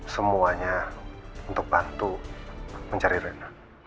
semuanya untuk bantu mencari renda